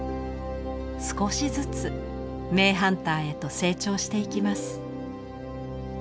少しずつ名ハンターへと成長していきます。